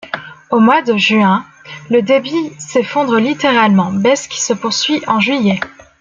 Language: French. Au mois de juin, le débit s'effondre littéralement, baisse qui se poursuit en juillet.